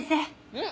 うん？